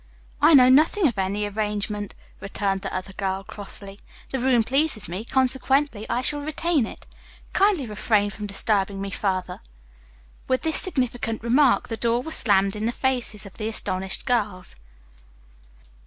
"I know nothing of any such arrangement," returned the other girl crossly. "The room pleases me, consequently I shall retain it. Kindly refrain from disturbing me further." With this significant remark the door was slammed in the faces of the astonished girls.